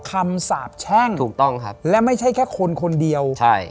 สาบแช่งถูกต้องครับและไม่ใช่แค่คนคนเดียวใช่